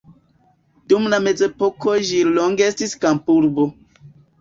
Dum la mezepoko ĝi longe estis kampurbo.